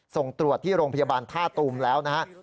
ส่งตรวจที่โรงพยาบาลท่าตูมแล้วนะครับ